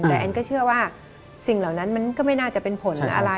แต่แอนก็เชื่อว่าสิ่งเหล่านั้นมันก็ไม่น่าจะเป็นผลอะไร